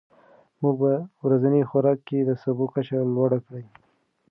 موږ په ورځني خوراک کې د سبو کچه لوړه کړې.